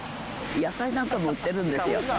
野菜なんかも売ってるんですよ。